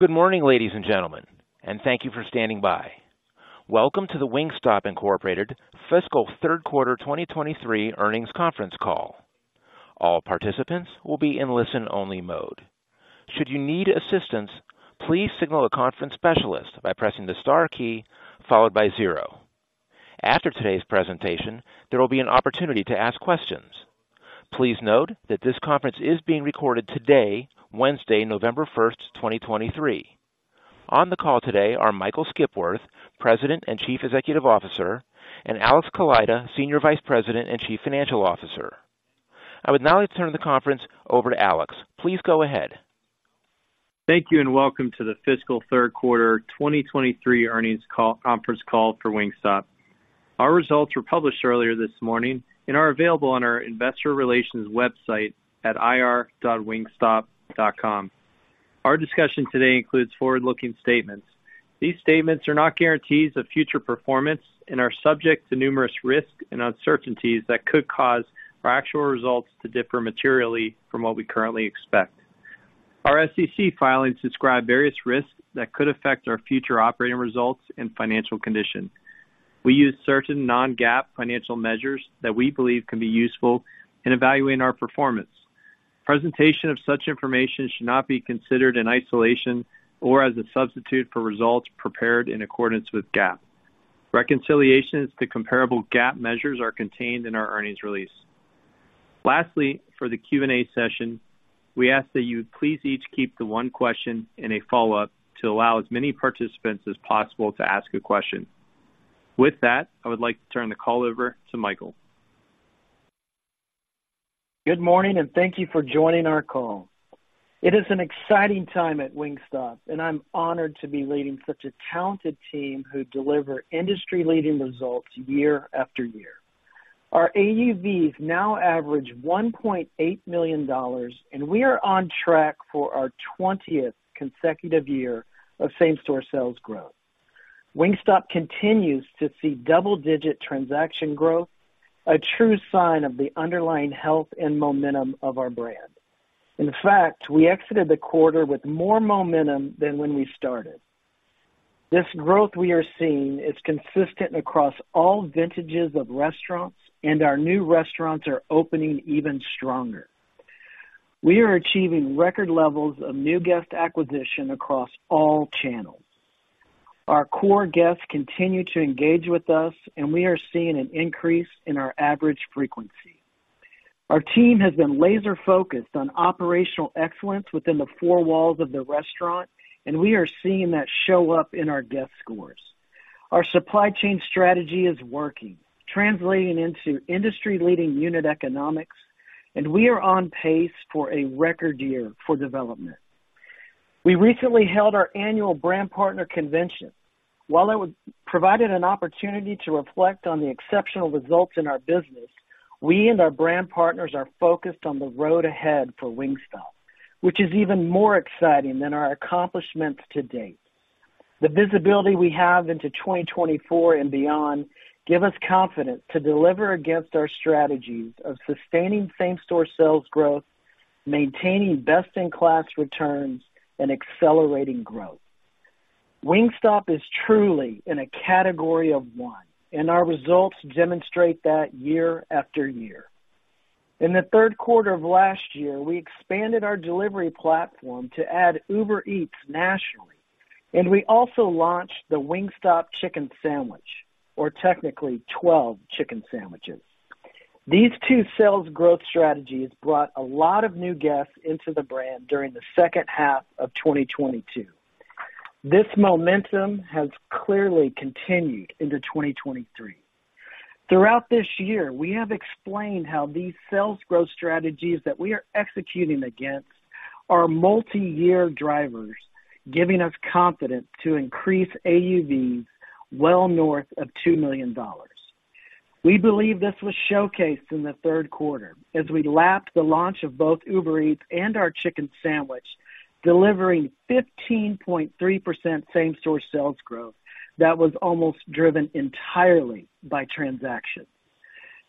Good morning, ladies and gentlemen, and thank you for standing by. Welcome to the Wingstop Incorporated Fiscal Third Quarter 2023 Earnings Conference Call. All participants will be in listen-only mode. Should you need assistance, please signal a conference specialist by pressing the star key followed by zero. After today's presentation, there will be an opportunity to ask questions. Please note that this conference is being recorded today, Wednesday, 1 November 2023. On the call today are Michael Skipworth, President and Chief Executive Officer, and Alex Kaleida, Senior Vice President and Chief Financial Officer. I would now like to turn the conference over to Alex. Please go ahead. Thank you, and welcome to the fiscal third quarter 2023 earnings call, conference call for Wingstop. Our results were published earlier this morning and are available on our investor relations website at ir.wingstop.com. Our discussion today includes forward-looking statements. These statements are not guarantees of future performance and are subject to numerous risks and uncertainties that could cause our actual results to differ materially from what we currently expect. Our SEC filings describe various risks that could affect our future operating results and financial condition. We use certain non-GAAP financial measures that we believe can be useful in evaluating our performance. Presentation of such information should not be considered in isolation or as a substitute for results prepared in accordance with GAAP. Reconciliations to comparable GAAP measures are contained in our earnings release. Lastly, for the Q&A session, we ask that you please each keep the one question and a follow-up to allow as many participants as possible to ask a question. With that, I would like to turn the call over to Michael. Good morning, and thank you for joining our call. It is an exciting time at Wingstop, and I'm honored to be leading such a talented team who deliver industry-leading results year after year. Our AUVs now average $1.8 million, and we are on track for our 20th consecutive year of same-store sales growth. Wingstop continues to see double-digit transaction growth, a true sign of the underlying health and momentum of our brand. In fact, we exited the quarter with more momentum than when we started. This growth we are seeing is consistent across all vintages of restaurants, and our new restaurants are opening even stronger. We are achieving record levels of new guest acquisition across all channels. Our core guests continue to engage with us, and we are seeing an increase in our average frequency. Our team has been laser-focused on operational excellence within the four walls of the restaurant, and we are seeing that show up in our guest scores. Our supply chain strategy is working, translating into industry-leading unit economics, and we are on pace for a record year for development. We recently held our annual brand partner convention. While it was provided an opportunity to reflect on the exceptional results in our business, we and our brand partners are focused on the road ahead for Wingstop, which is even more exciting than our accomplishments to date. The visibility we have into 2024 and beyond give us confidence to deliver against our strategies of sustaining same-store sales growth, maintaining best-in-class returns, and accelerating growth. Wingstop is truly in a category of one, and our results demonstrate that year after year. In the third quarter of last year, we expanded our delivery platform to add Uber Eats nationally, and we also launched the Wingstop Chicken Sandwich, or technically 12 chicken sandwiches. These two sales growth strategies brought a lot of new guests into the brand during the second half of 2022. This momentum has clearly continued into 2023. Throughout this year, we have explained how these sales growth strategies that we are executing against are multiyear drivers, giving us confidence to increase AUVs well north of $2 million. We believe this was showcased in the third quarter as we lapped the launch of both Uber Eats and our chicken sandwich, delivering 15.3% same-store sales growth that was almost driven entirely by transactions.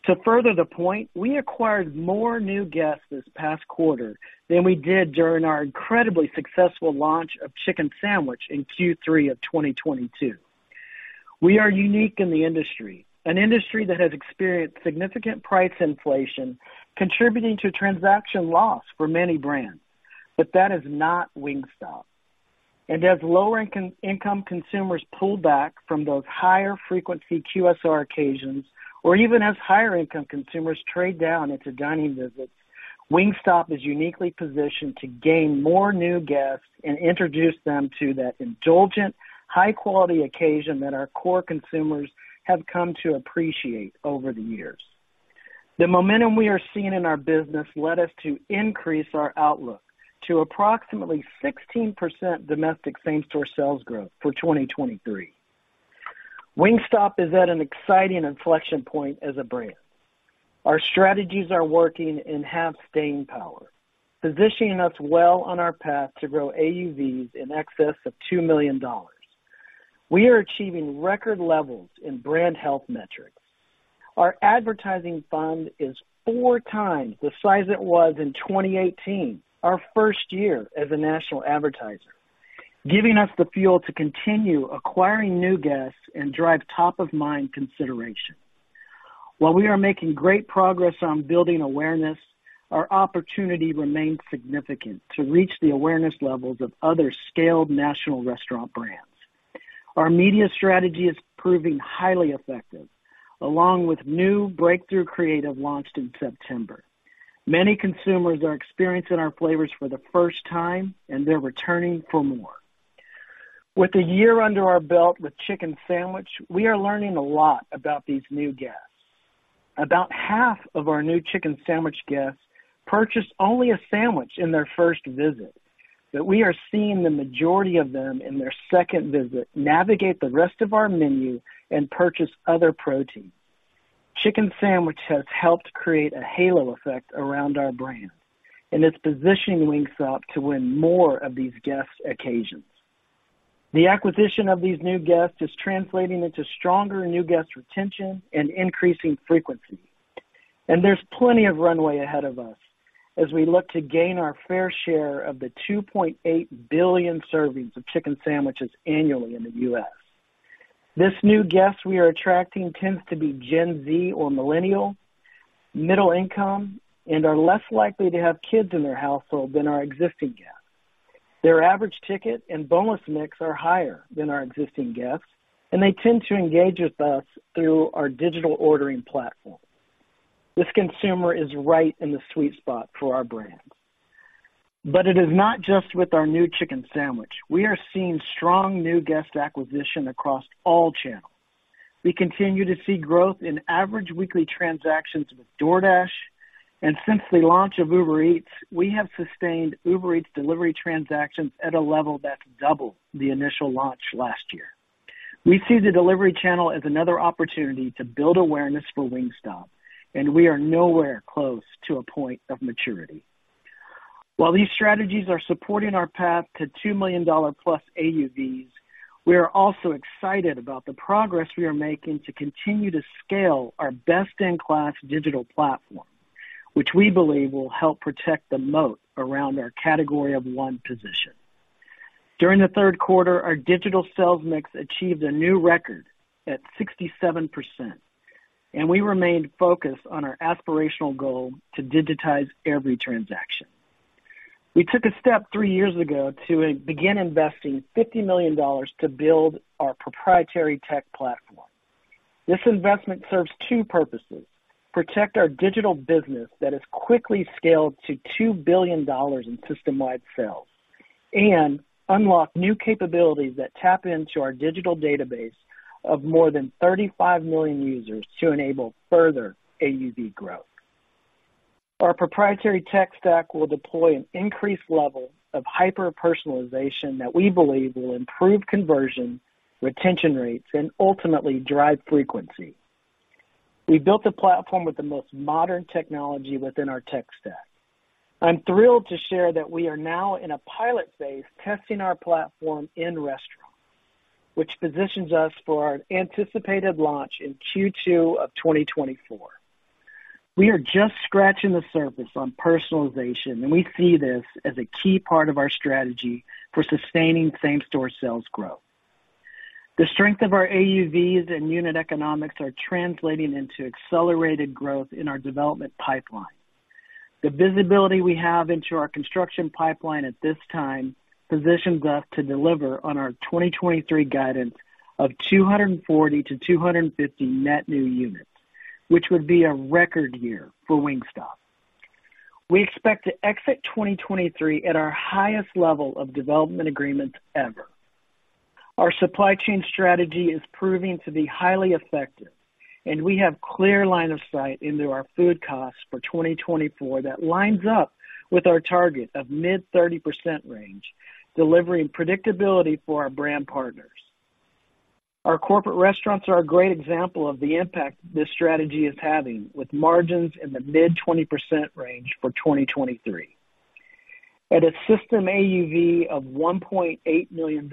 To further the point, we acquired more new guests this past quarter than we did during our incredibly successful launch of chicken sandwich in third quarter of 2022. We are unique in the industry, an industry that has experienced significant price inflation, contributing to transaction loss for many brands, but that is not Wingstop. As lower-income consumers pull back from those higher frequency QSR occasions, or even as higher-income consumers trade down into dining visits, Wingstop is uniquely positioned to gain more new guests and introduce them to that indulgent, high-quality occasion that our core consumers have come to appreciate over the years. The momentum we are seeing in our business led us to increase our outlook to approximately 16% domestic same-store sales growth for 2023. Wingstop is at an exciting inflection point as a brand. Our strategies are working and have staying power, positioning us well on our path to grow AUVs in excess of $2 million. We are achieving record levels in brand health metrics. Our advertising fund is four times the size it was in 2018, our first year as a national advertiser, giving us the fuel to continue acquiring new guests and drive top of mind consideration. While we are making great progress on building awareness, our opportunity remains significant to reach the awareness levels of other scaled national restaurant brands. Our media strategy is proving highly effective, along with new breakthrough creative launched in September. Many consumers are experiencing our flavors for the first time, and they're returning for more. With a year under our belt with chicken sandwich, we are learning a lot about these new guests. About half of our new chicken sandwich guests purchase only a sandwich in their first visit, but we are seeing the majority of them in their second visit navigate the rest of our menu and purchase other proteins. Chicken sandwich has helped create a halo effect around our brand, and it's positioning Wingstop to win more of these guest occasions. The acquisition of these new guests is translating into stronger new guest retention and increasing frequency. There's plenty of runway ahead of us as we look to gain our fair share of the 2.8 billion servings of chicken sandwiches annually in the U.S. This new guest we are attracting tends to be Gen Z or Millennial, middle income, and are less likely to have kids in their household than our existing guests. Their average ticket and boneless mix are higher than our existing guests, and they tend to engage with us through our digital ordering platform. This consumer is right in the sweet spot for our brand. But it is not just with our new chicken sandwich. We are seeing strong new guest acquisition across all channels. We continue to see growth in average weekly transactions with DoorDash, and since the launch of Uber Eats, we have sustained Uber Eats delivery transactions at a level that's double the initial launch last year. We see the delivery channel as another opportunity to build awareness for Wingstop, and we are nowhere close to a point of maturity. While these strategies are supporting our path to $2 million plus AUVs, we are also excited about the progress we are making to continue to scale our best-in-class digital platform, which we believe will help protect the moat around our category of one position. During the third quarter, our digital sales mix achieved a new record at 67%, and we remained focused on our aspirational goal to digitize every transaction. We took a step three years ago to begin investing $50 million to build our proprietary tech platform. This investment serves two purposes: protect our digital business that has quickly scaled to $2 billion in system-wide sales, and unlock new capabilities that tap into our digital database of more than 35 million users to enable further AUV growth. Our proprietary tech stack will deploy an increased level of hyper-personalization that we believe will improve conversion, retention rates, and ultimately drive frequency. We built a platform with the most modern technology within our tech stack. I'm thrilled to share that we are now in a pilot phase, testing our platform in restaurants, which positions us for our anticipated launch in second quarter of 2024. We are just scratching the surface on personalization, and we see this as a key part of our strategy for sustaining same-store sales growth. The strength of our AUVs and unit economics are translating into accelerated growth in our development pipeline. The visibility we have into our construction pipeline at this time positions us to deliver on our 2023 guidance of 240 to 250 net new units, which would be a record year for Wingstop. We expect to exit 2023 at our highest level of development agreements ever. Our supply chain strategy is proving to be highly effective, and we have clear line of sight into our food costs for 2024. That lines up with our target of mid-30% range, delivering predictability for our brand partners. Our corporate restaurants are a great example of the impact this strategy is having with margins in the mid-20% range for 2023. At a system AUV of $1.8 million,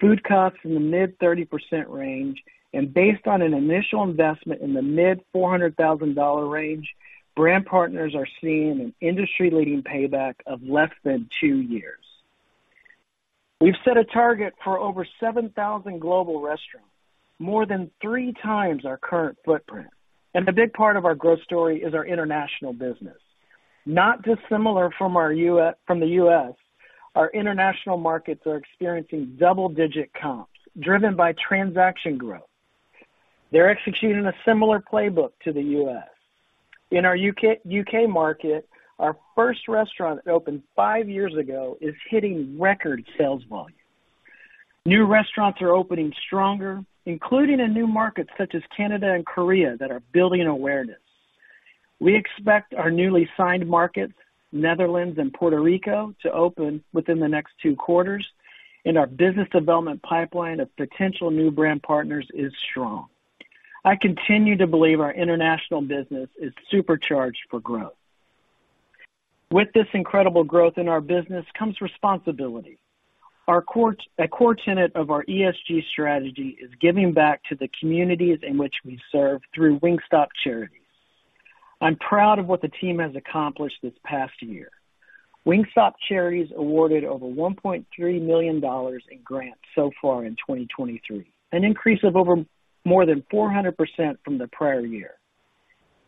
food costs in the mid-30% range and based on an initial investment in the mid-$400,000 range, brand partners are seeing an industry-leading payback of less than two years. We've set a target for over 7,000 global restaurants, more than three times our current footprint, and a big part of our growth story is our international business. Not dissimilar from the U.S., our international markets are experiencing double-digit comps driven by transaction growth. They're executing a similar playbook to the U.S. In our U.K. market, our first restaurant that opened five years ago is hitting record sales volume. New restaurants are opening stronger, including in new markets such as Canada and Korea, that are building awareness. We expect our newly signed markets, Netherlands and Puerto Rico, to open within the next two quarters, and our business development pipeline of potential new brand partners is strong. I continue to believe our international business is supercharged for growth. With this incredible growth in our business comes responsibility. Our core, a core tenet of our ESG strategy is giving back to the communities in which we serve through Wingstop Charities. I'm proud of what the team has accomplished this past year. Wingstop Charities awarded over $1.3 million in grants so far in 2023, an increase of over more than 400% from the prior year.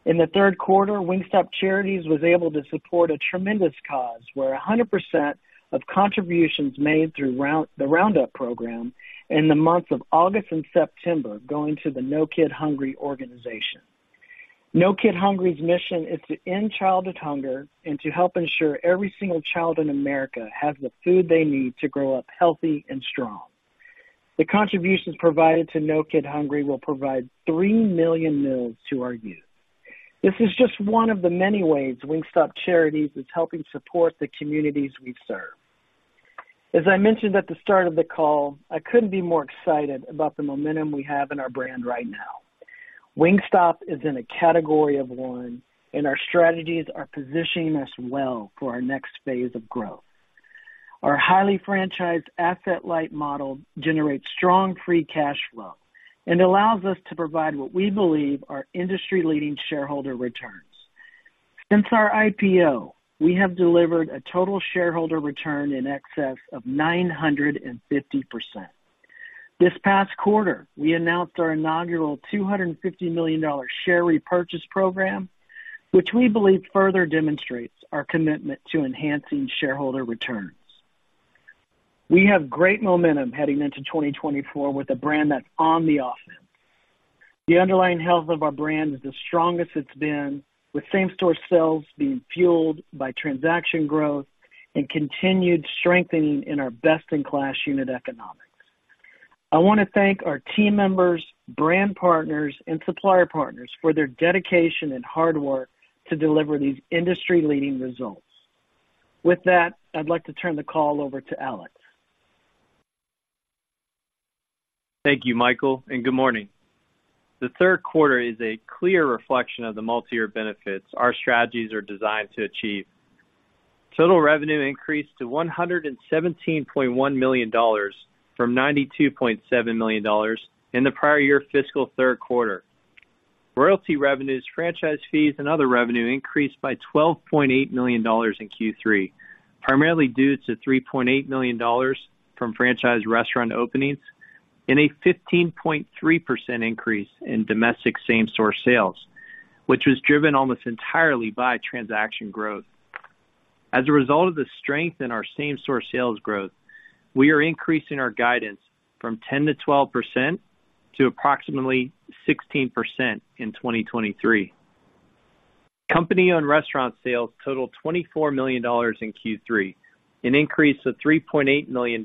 In the third quarter, Wingstop Charities was able to support a tremendous cause, where 100% of contributions made through the Roundup program in the months of August and September, going to the No Kid Hungry organization. No Kid Hungry's mission is to end childhood hunger and to help ensure every single child in America has the food they need to grow up healthy and strong. The contributions provided to No Kid Hungry will provide 3 million meals to our youth. This is just one of the many ways Wingstop Charities is helping support the communities we serve. As I mentioned at the start of the call, I couldn't be more excited about the momentum we have in our brand right now. Wingstop is in a category of one, and our strategies are positioning us well for our next phase of growth. Our highly franchised asset-light model generates strong free cash flow and allows us to provide what we believe are industry-leading shareholder returns. Since our IPO, we have delivered a total shareholder return in excess of 950%. This past quarter, we announced our inaugural $250 million share repurchase program, which we believe further demonstrates our commitment to enhancing shareholder returns. We have great momentum heading into 2024 with a brand that's on the offense. The underlying health of our brand is the strongest it's been, with Same-Store Sales being fueled by transaction growth and continued strengthening in our best-in-class unit economics. I want to thank our team members, brand partners, and supplier partners for their dedication and hard work to deliver these industry-leading results. With that, I'd like to turn the call over to Alex. Thank you, Michael, and good morning. The third quarter is a clear reflection of the multiyear benefits our strategies are designed to achieve. Total revenue increased to $117.1 million from $92.7 million in the prior year fiscal third quarter. Royalty revenues, franchise fees, and other revenue increased by $12.8 million in third quarter, primarily due to $3.8 million from franchise restaurant openings and a 15.3% increase in domestic same-store sales, which was driven almost entirely by transaction growth. As a result of the strength in our same-store sales growth, we are increasing our guidance from 10% to 12% to approximately 16% in 2023. Company-owned restaurant sales totaled $24 million in third quarter, an increase of $3.8 million,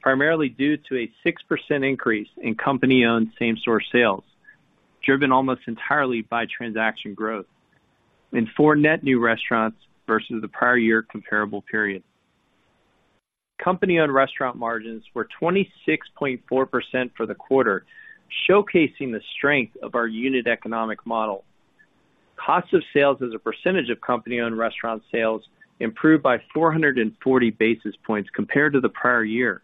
primarily due to a 6% increase in company-owned same-store sales, driven almost entirely by transaction growth in four net new restaurants versus the prior year comparable period. Company-owned restaurant margins were 26.4% for the quarter, showcasing the strength of our unit economic model. Cost of sales as a percentage of company-owned restaurant sales improved by 440 basis points compared to the prior year,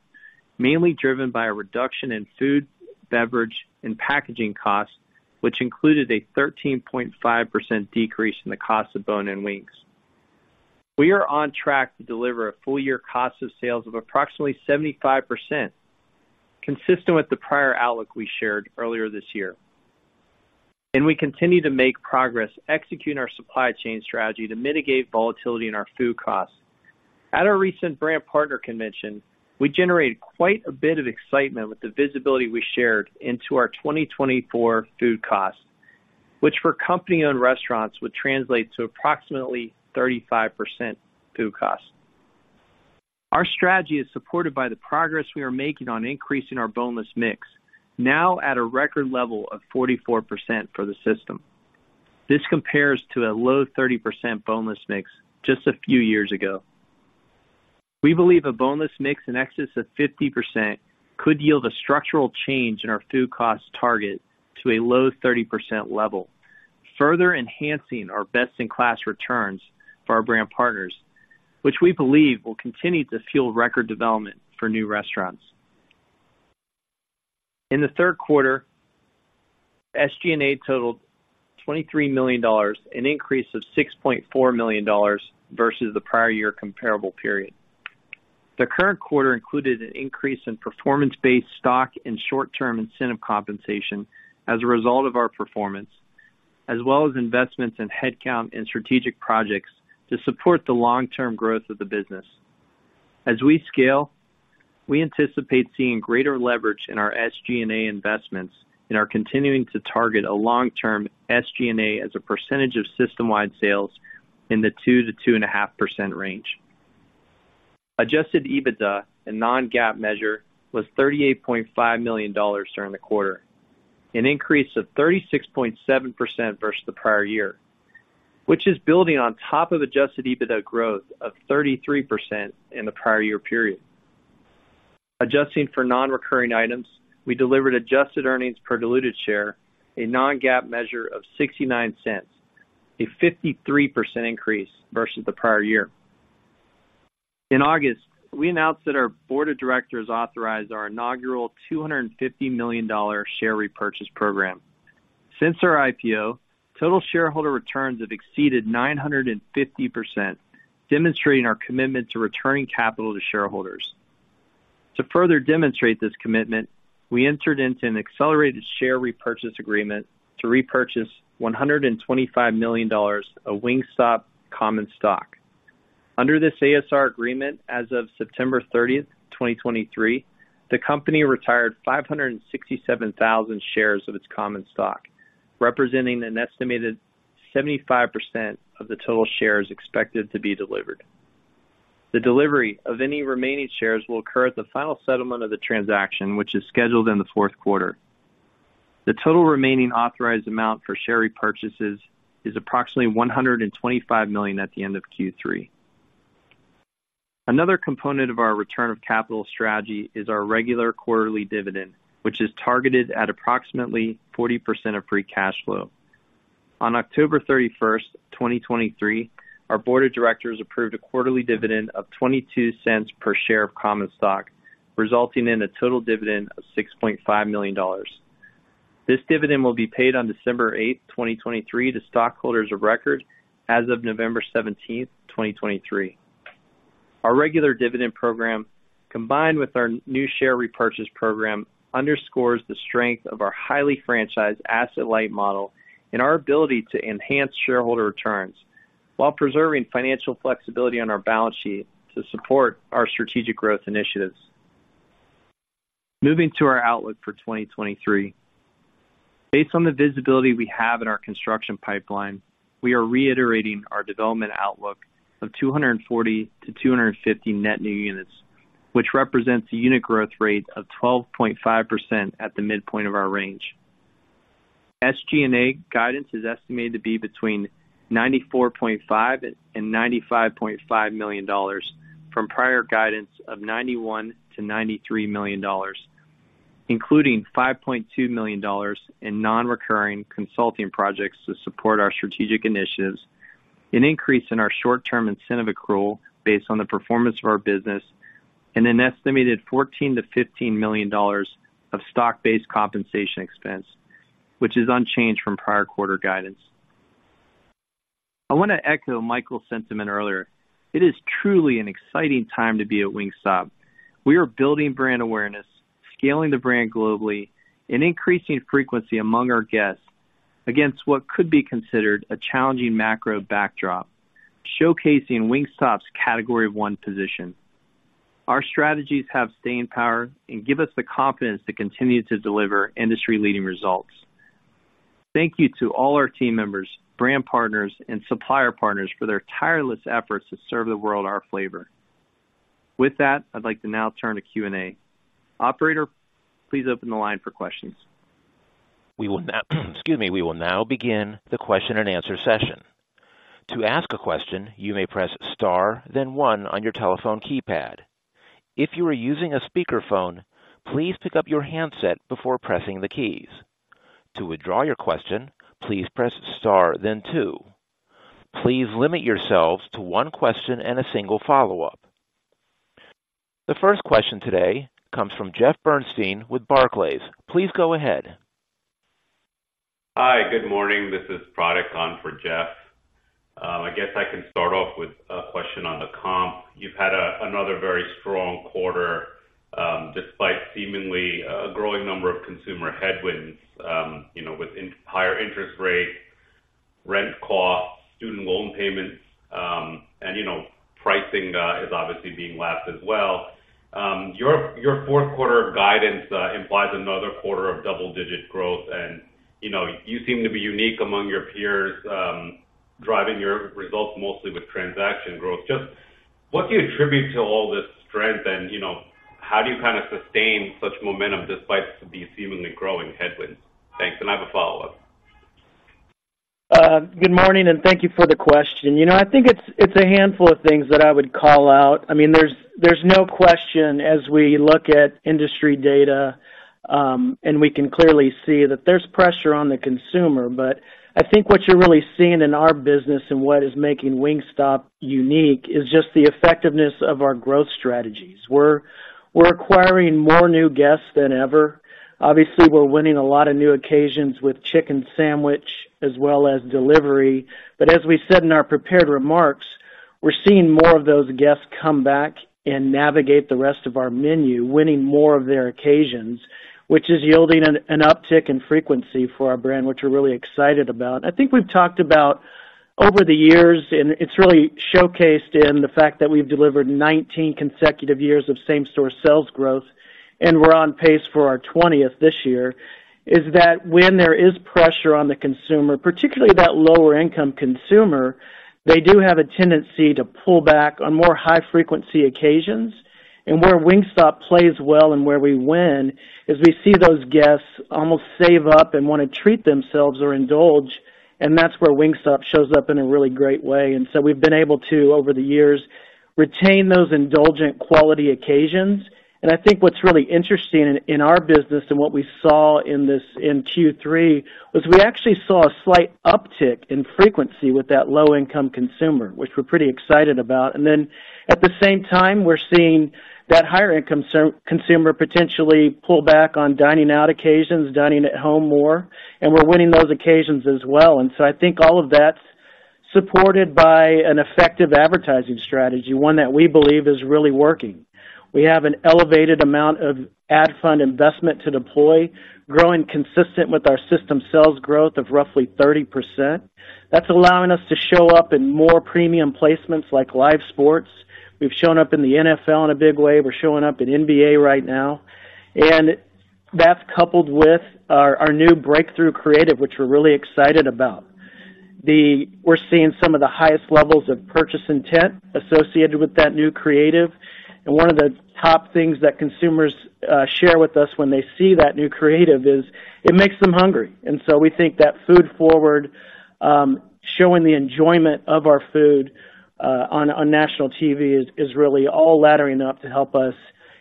mainly driven by a reduction in food, beverage, and packaging costs, which included a 13.5% decrease in the cost of bone-in wings. We are on track to deliver a full year cost of sales of approximately 75%, consistent with the prior outlook we shared earlier this year, and we continue to make progress executing our supply chain strategy to mitigate volatility in our food costs. At our recent brand partner convention, we generated quite a bit of excitement with the visibility we shared into our 2024 food costs, which for company-owned restaurants, would translate to approximately 35% food costs. Our strategy is supported by the progress we are making on increasing our boneless mix, now at a record level of 44% for the system. This compares to a low 30% boneless mix just a few years ago. We believe a boneless mix in excess of 50% could yield a structural change in our food cost target to a low 30% level, further enhancing our best-in-class returns for our brand partners, which we believe will continue to fuel record development for new restaurants. In the third quarter, SG&A totaled $23 million, an increase of $6.4 million versus the prior year comparable period. The current quarter included an increase in performance-based stock and short-term incentive compensation as a result of our performance, as well as investments in headcount and strategic projects to support the long-term growth of the business. As we scale, we anticipate seeing greater leverage in our SG&A investments and are continuing to target a long-term SG&A as a percentage of system-wide sales in the 2% to 2.5% range. Adjusted EBITDA, a non-GAAP measure, was $38.5 million during the quarter, an increase of 36.7% versus the prior year, which is building on top of adjusted EBITDA growth of 33% in the prior year period. Adjusting for non-recurring items, we delivered adjusted earnings per diluted share, a non-GAAP measure of $0.69, a 53% increase versus the prior year. In August, we announced that our board of directors authorized our inaugural $250 million share repurchase program. Since our IPO, total shareholder returns have exceeded 950%, demonstrating our commitment to returning capital to shareholders. To further demonstrate this commitment, we entered into an accelerated share repurchase agreement to repurchase $125 million of Wingstop common stock. Under this ASR agreement, as of 30 September 2023, the company retired 567,000 shares of its common stock, representing an estimated 75% of the total shares expected to be delivered. The delivery of any remaining shares will occur at the final settlement of the transaction, which is scheduled in the fourth quarter. The total remaining authorized amount for share repurchases is approximately $125 million at the end of third quarter. Another component of our return of capital strategy is our regular quarterly dividend, which is targeted at approximately 40% of free cash flow. On 31 October 2023, our board of directors approved a quarterly dividend of $0.22 per share of common stock, resulting in a total dividend of $6.5 million. This dividend will be paid on 8 December 2023, to stockholders of record as of 17 November 2023. Our regular dividend program, combined with our new share repurchase program, underscores the strength of our highly franchised asset-light model and our ability to enhance shareholder returns while preserving financial flexibility on our balance sheet to support our strategic growth initiatives. Moving to our outlook for 2023. Based on the visibility we have in our construction pipeline, we are reiterating our development outlook of 240 to 250 net new units, which represents a unit growth rate of 12.5% at the midpoint of our range. SG&A guidance is estimated to be between $94.5 to 95.5 million from prior guidance of $91 to 93 million, including $5.2 million in non-recurring consulting projects to support our strategic initiatives, an increase in our short-term incentive accrual based on the performance of our business, and an estimated $14 to 15 million of stock-based compensation expense, which is unchanged from prior quarter guidance. I want to echo Michael's sentiment earlier. It is truly an exciting time to be at Wingstop. We are building brand awareness, scaling the brand globally, and increasing frequency among our guests against what could be considered a challenging macro backdrop, showcasing Wingstop's category one position. Our strategies have staying power and give us the confidence to continue to deliver industry-leading results. Thank you to all our team members, brand partners, and supplier partners for their tireless efforts to serve the world our flavor. With that, I'd like to now turn to Q&A. Operator, please open the line for questions. We will now, excuse me. We will now begin the question and answer session. To ask a question, you may press star, then one on your telephone keypad. If you are using a speakerphone, please pick up your handset before pressing the keys. To withdraw your question, please press star, then two. Please limit yourselves to one question and a single follow-up. The first question today comes from Jeff Bernstein with Barclays. Please go ahead. Hi, good morning. This is Pradeep on for Jeff. I guess I can start off with a question on the comp. You've had another very strong quarter, despite seemingly a growing number of consumer headwinds, you know, with higher interest rates, rent costs, student loan payments, and, you know, pricing is obviously being lapped as well. Your fourth quarter guidance implies another quarter of double-digit growth, and, you know, you seem to be unique among your peers, driving your results mostly with transaction growth. Just what do you attribute to all this strength? And, you know, how do you kind of sustain such momentum despite these seemingly growing headwinds? Thanks, and I have a follow-up. Good morning, and thank you for the question. You know, I think it's a handful of things that I would call out. I mean, there's no question, as we look at industry data, and we can clearly see that there's pressure on the consumer. But I think what you're really seeing in our business and what is making Wingstop unique is just the effectiveness of our growth strategies. We're acquiring more new guests than ever. Obviously, we're winning a lot of new occasions with chicken sandwich as well as delivery. But as we said in our prepared remarks, we're seeing more of those guests come back and navigate the rest of our menu, winning more of their occasions, which is yielding an uptick in frequency for our brand, which we're really excited about. I think we've talked about over the years, and it's really showcased in the fact that we've delivered 19 consecutive years of same-store sales growth, and we're on pace for our 20th this year, is that when there is pressure on the consumer, particularly that lower income consumer, they do have a tendency to pull back on more high-frequency occasions. And where Wingstop plays well and where we win, is we see those guests almost save up and want to treat themselves or indulge. And that's where Wingstop shows up in a really great way. And so we've been able to, over the years, retain those indulgent quality occasions. And I think what's really interesting in our business and what we saw in third quarter was we actually saw a slight uptick in frequency with that low-income consumer, which we're pretty excited about. And then, at the same time, we're seeing that higher-income consumer potentially pull back on dining out occasions, dining at home more, and we're winning those occasions as well. And so I think all of that's supported by an effective advertising strategy, one that we believe is really working. We have an elevated amount of ad fund investment to deploy, growing consistent with our system sales growth of roughly 30%. That's allowing us to show up in more premium placements like live sports. We've shown up in the NFL in a big way. We're showing up in NBA right now, and that's coupled with our new breakthrough creative, which we're really excited about. We're seeing some of the highest levels of purchase intent associated with that new creative, and one of the top things that consumers share with us when they see that new creative is, it makes them hungry. And so we think that food forward showing the enjoyment of our food on national TV is really all laddering up to help us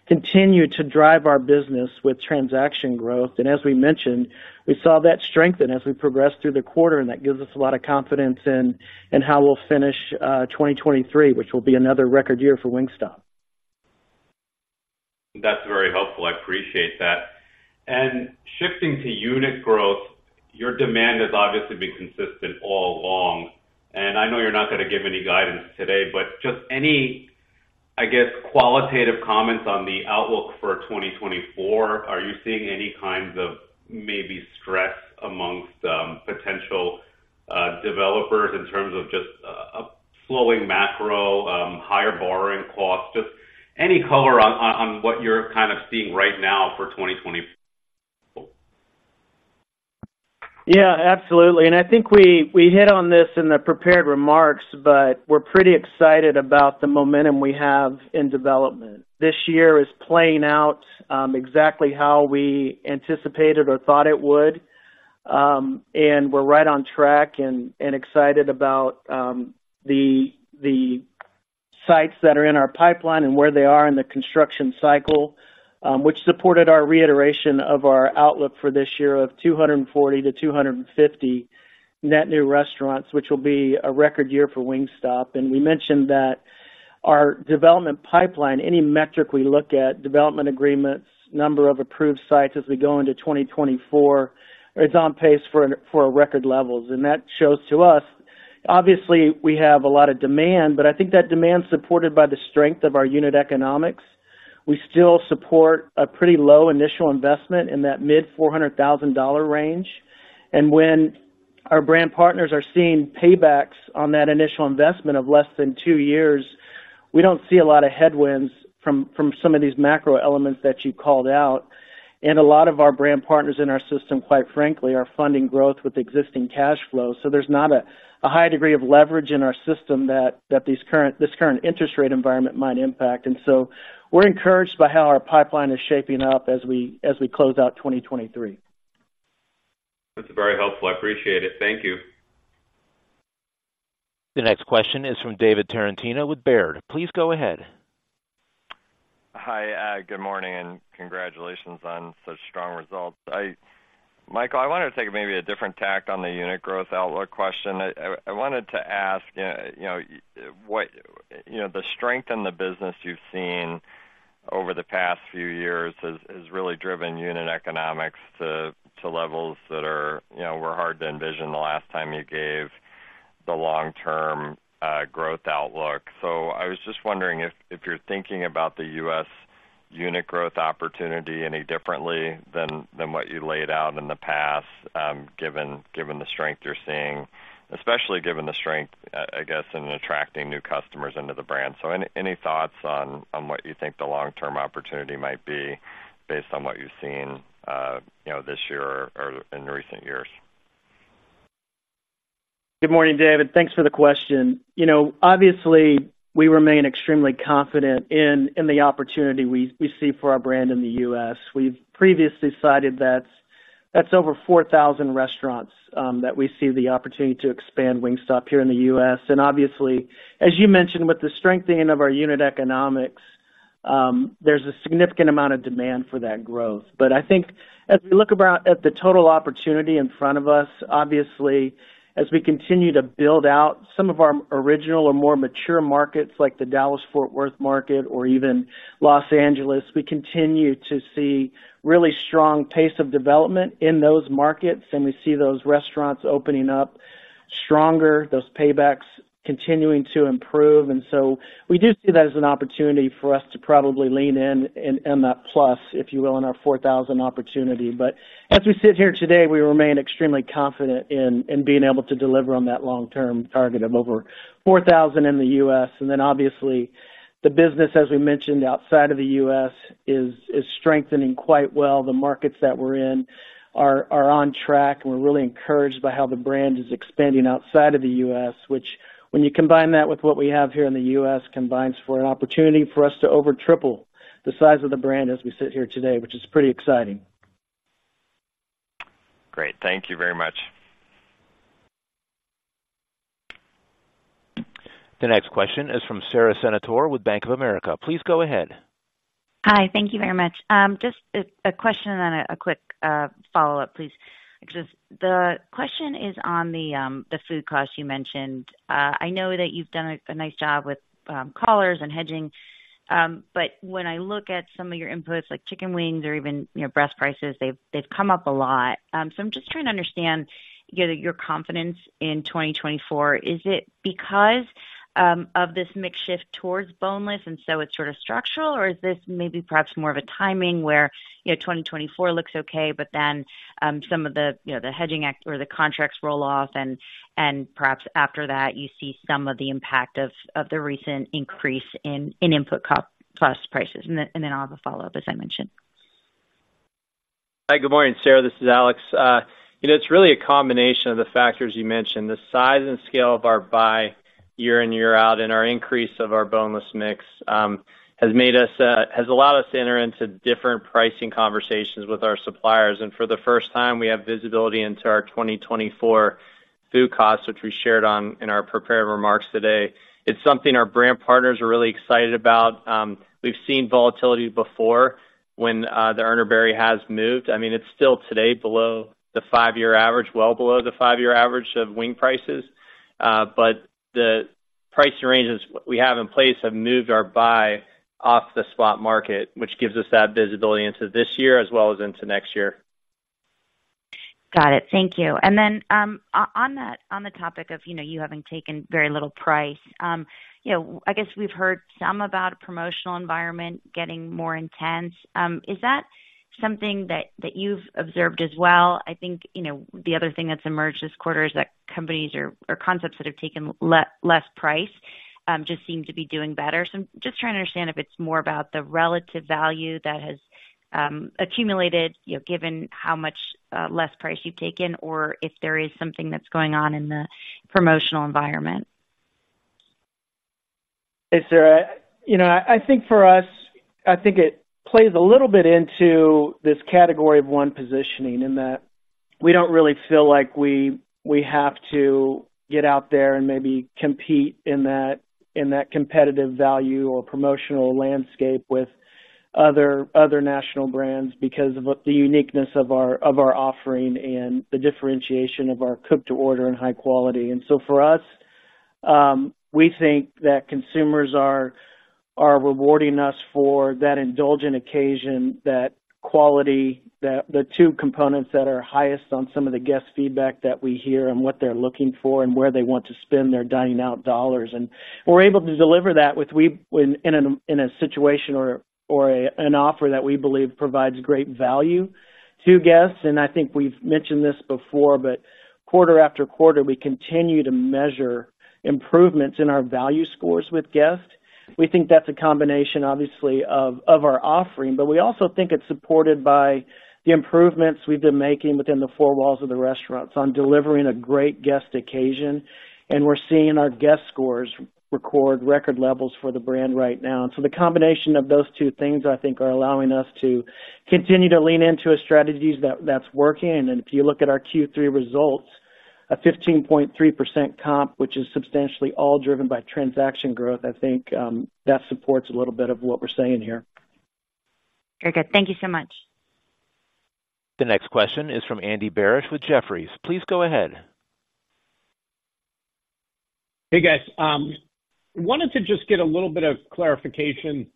continue to drive our business with transaction growth. And as we mentioned, we saw that strengthen as we progressed through the quarter, and that gives us a lot of confidence in how we'll finish 2023, which will be another record year for Wingstop. That's very helpful. I appreciate that. Shifting to unit growth, your demand has obviously been consistent all along, and I know you're not gonna give any guidance today, but just any, I guess, qualitative comments on the outlook for 2024. Are you seeing any kinds of maybe stress amongst potential developers in terms of just a slowing macro, higher borrowing costs? Just any color on what you're kind of seeing right now for 2024? Yeah, absolutely. And I think we hit on this in the prepared remarks, but we're pretty excited about the momentum we have in development. This year is playing out exactly how we anticipated or thought it would. And we're right on track and excited about the sites that are in our pipeline and where they are in the construction cycle, which supported our reiteration of our outlook for this year of 240 to 250 net new restaurants, which will be a record year for Wingstop. And we mentioned that our development pipeline, any metric we look at, development agreements, number of approved sites as we go into 2024, it's on pace for record levels. That shows to us, obviously, we have a lot of demand, but I think that demand is supported by the strength of our unit economics. We still support a pretty low initial investment in that mid-$400,000 range. When our brand partners are seeing paybacks on that initial investment of less than two years, we don't see a lot of headwinds from some of these macro elements that you called out. A lot of our brand partners in our system, quite frankly, are funding growth with existing cash flow. So, there's not a high degree of leverage in our system that this current interest rate environment might impact. So, we're encouraged by how our pipeline is shaping up as we close out 2023. That's very helpful. I appreciate it. Thank you. The next question is from David Tarantino with Baird. Please go ahead. Hi, good morning, and congratulations on such strong results. Michael, I wanted to take maybe a different tack on the unit growth outlook question. I wanted to ask, you know, the strength in the business you've seen over the past few years has really driven unit economics to levels that are, you know, were hard to envision the last time you gave the long-term growth outlook. So, I was just wondering if you're thinking about the U.S. unit growth opportunity any differently than what you laid out in the past, given the strength you're seeing, especially given the strength, I guess, in attracting new customers into the brand. Any thoughts on what you think the long-term opportunity might be based on what you've seen, you know, this year or in recent years? Good morning, David. Thanks for the question. You know, obviously, we remain extremely confident in the opportunity we see for our brand in the U.S. We've previously cited that's over 4,000 restaurants that we see the opportunity to expand Wingstop here in the U.S. And obviously, as you mentioned, with the strengthening of our unit economics, there's a significant amount of demand for that growth. But I think as we look at the total opportunity in front of us, obviously, as we continue to build out some of our original or more mature markets, like the Dallas-Fort Worth market or even Los Angeles, we continue to see really strong pace of development in those markets, and we see those restaurants opening up stronger, those paybacks continuing to improve. So we do see that as an opportunity for us to probably lean in on that plus, if you will, in our 4,000 opportunity. But as we sit here today, we remain extremely confident in being able to deliver on that long-term target of over 4,000 in the U.S. And then, obviously, the business, as we mentioned, outside of the U.S., is strengthening quite well. The markets that we're in are on track, and we're really encouraged by how the brand is expanding outside of the U.S., which when you combine that with what we have here in the U.S., combines for an opportunity for us to over triple the size of the brand as we sit here today, which is pretty exciting. Great. Thank you very much. The next question is from Sara Senatore with Bank of America. Please go ahead. Hi, thank you very much. Just a question and then a quick follow-up, please. The question is on the food costs you mentioned. I know that you've done a nice job with collars and hedging, but when I look at some of your inputs, like chicken wings or even, you know, breast prices, they've come up a lot. So I'm just trying to understand, you know, your confidence in 2024. Is it because of this mix shift towards boneless, and so it's sort of structural? Or is this maybe perhaps more of a timing where, you know, 2024 looks okay, but then some of the, you know, the hedging or the contracts roll off and perhaps after that, you see some of the impact of the recent increase in input cost prices. Then I'll have a follow-up, as I mentioned. Hi, good morning, Sara, this is Alex. You know, it's really a combination of the factors you mentioned. The size and scale of our buy, year in, year out, and our increase of our boneless mix has made us has allowed us to enter into different pricing conversations with our suppliers. And for the first time, we have visibility into our 2024 food costs, which we shared in our prepared remarks today. It's something our brand partners are really excited about. We've seen volatility before when the Urner Barry has moved. I mean, it's still today below the five-year average, well below the five-year average of wing prices. But the pricing ranges we have in place have moved our buy off the spot market, which gives us that visibility into this year as well as into next year. Got it. Thank you. And then, on that, on the topic of, you know, you having taken very little price, you know, I guess we've heard some about a promotional environment getting more intense. Is that something that you've observed as well? I think, you know, the other thing that's emerged this quarter is that companies or concepts that have taken less price just seem to be doing better. So I'm just trying to understand if it's more about the relative value that has accumulated, you know, given how much less price you've taken, or if there is something that's going on in the promotional environment. Hey, Sara, you know, I think for us, I think it plays a little bit into this category of one positioning, in that we don't really feel like we have to get out there and maybe compete in that competitive value or promotional landscape with other national brands because of the uniqueness of our offering and the differentiation of our cook to order and high quality. And so for us, we think that consumers are rewarding us for that indulgent occasion, that quality, that the two components that are highest on some of the guest feedback that we hear and what they're looking for and where they want to spend their dining out dollars. And we're able to deliver that in a situation or an offer that we believe provides great value to guests. I think we've mentioned this before, but quarter after quarter, we continue to measure improvements in our value scores with guests. We think that's a combination, obviously, of our offering, but we also think it's supported by the improvements we've been making within the four walls of the restaurants on delivering a great guest occasion. We're seeing our guest scores, record levels for the brand right now. So the combination of those two things, I think, are allowing us to continue to lean into a strategy that's working. If you look at our third quarter results, a 15.3% comp, which is substantially all driven by transaction growth, I think, that supports a little bit of what we're saying here. Very good. Thank you so much. The next question is from Andy Barish with Jefferies. Please go ahead. Hey, guys. Wanted to just get a little bit of clarification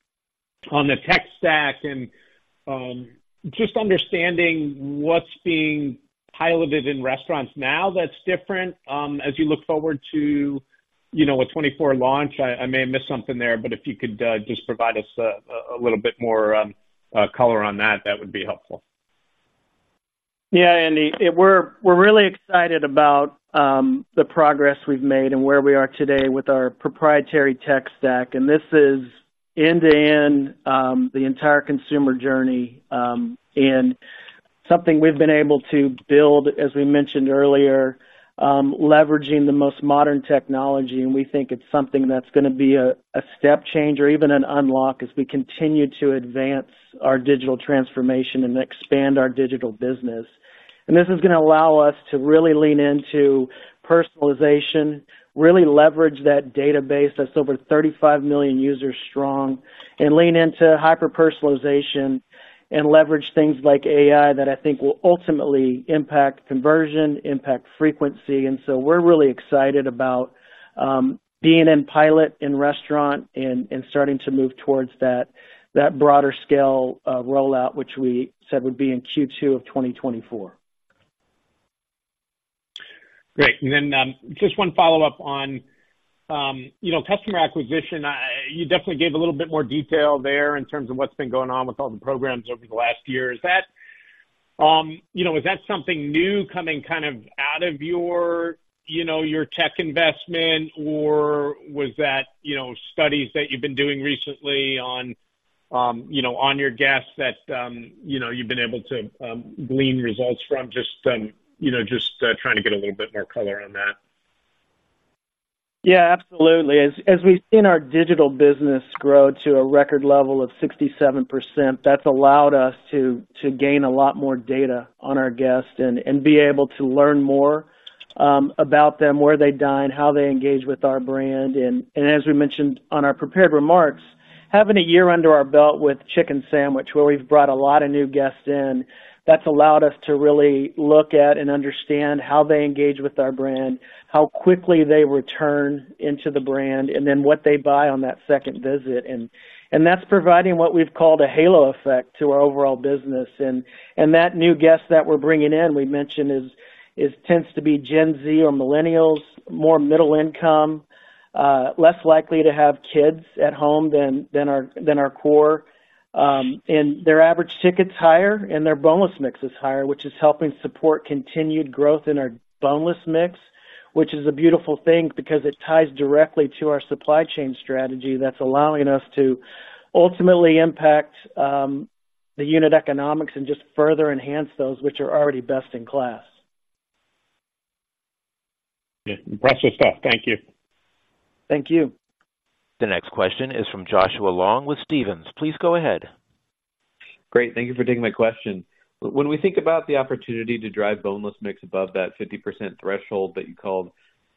on the tech stack and just understanding what's being piloted in restaurants now that's different. As you look forward to, you know, a 2024 launch, I may have missed something there, but if you could just provide us a little bit more color on that, that would be helpful. Yeah, Andy, we're really excited about the progress we've made and where we are today with our proprietary tech stack. This is end-to-end, the entire consumer journey, and something we've been able to build, as we mentioned earlier, leveraging the most modern technology, and we think it's something that's gonna be a step change or even an unlock as we continue to advance our digital transformation and expand our digital business. This is gonna allow us to really lean into personalization, really leverage that database that's over 35 million users strong, and lean into hyper-personalization and leverage things like AI that I think will ultimately impact conversion, impact frequency. So we're really excited about being in pilot in restaurant and starting to move towards that broader scale rollout, which we said would be in second quarter of 2024. Great. Just one follow-up on, you know, customer acquisition. You definitely gave a little bit more detail there in terms of what's been going on with all the programs over the last year. Is that, you know, is that something new coming kind of out of your, you know, your tech investment, or was that, you know, studies that you've been doing recently on, you know, on your guests that, you know, you've been able to glean results from? Just, you know, just trying to get a little bit more color on that. Yeah, absolutely. As we've seen our digital business grow to a record level of 67%, that's allowed us to gain a lot more data on our guests and be able to learn more about them, where they dine, how they engage with our brand. And as we mentioned on our prepared remarks, having a year under our belt with chicken sandwich, where we've brought a lot of new guests in, that's allowed us to really look at and understand how they engage with our brand, how quickly they return into the brand, and then what they buy on that second visit. And that's providing what we've called a halo effect to our overall business. That new guest that we're bringing in, we mentioned, tends to be Gen Z or Millennials, more middle income, less likely to have kids at home than our core. And their average ticket's higher and their Boneless Mix is higher, which is helping support continued growth in our Boneless Mix, which is a beautiful thing because it ties directly to our supply chain strategy. That's allowing us to ultimately impact the unit economics and just further enhance those which are already best in class. Yeah, impressive stuff. Thank you. Thank you. The next question is from Joshua Long with Stephens. Please go ahead. Great, thank you for taking my question. When we think about the opportunity to drive boneless mix above that 50% threshold that you called,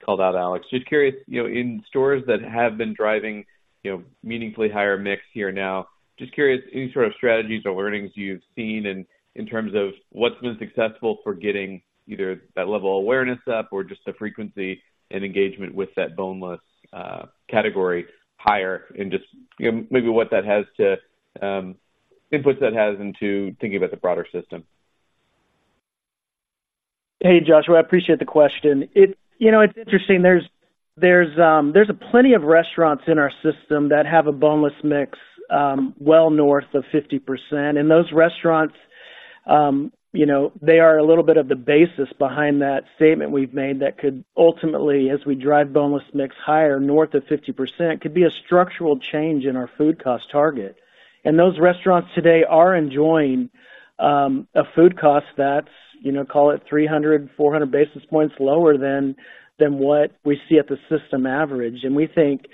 called out, Alex, just curious, you know, in stores that have been driving, you know, meaningfully higher mix here now, just curious, any sort of strategies or learnings you've seen in, in terms of what's been successful for getting either that level of awareness up or just the frequency and engagement with that boneless category higher and just, you know, maybe what that has to inputs that has into thinking about the broader system? Hey, Joshua, I appreciate the question. You know, it's interesting. There's plenty of restaurants in our system that have a boneless mix well north of 50%. And those restaurants, you know, they are a little bit of the basis behind that statement we've made that could ultimately, as we drive boneless mix higher, north of 50%, could be a structural change in our food cost target. And those restaurants today are enjoying a food cost that's, you know, call it 300 to 400 basis points lower than what we see at the system average. And we think